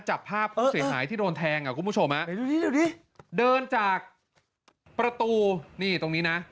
จับภาพผู้เสียหายที่โดนแทงอ่ะคุณผู้ชมเดินจากประตูนี่ตรงนี้นะ